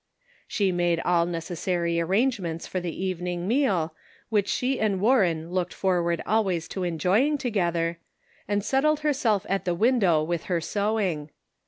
She made all necessary arrangements for the evening meal, which she and Warren looked forward always to enjoying together, and settled herself at the window with her sewing.